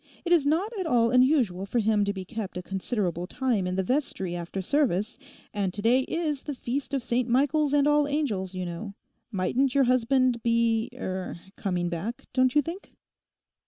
It is not at all unusual for him to be kept a considerable time in the vestry after service, and to day is the Feast of St Michael's and all Angels, you know. Mightn't your husband be—er—coming back, don't you think?